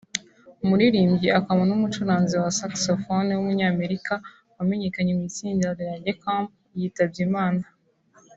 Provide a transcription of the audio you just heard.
umuririmbyi akaba n’umucuranzi wa Saxophone w’umunyamerika wamenyekanye mu itsinda rya The Champs yitabye Imana